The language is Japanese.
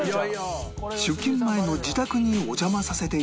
出勤前の自宅にお邪魔させて頂きました